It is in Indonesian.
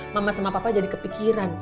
mama sama papa jadi kepikiran